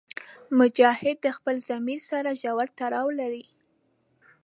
مجاهد د خپل ضمیر سره ژور تړاو لري.